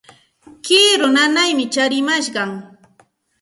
Kiru nanaymi tsarimashqan.